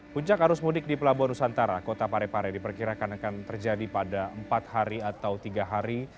puncak arus mudik di pelabuhan nusantara kota parepare diperkirakan akan terjadi pada empat hari atau tiga hari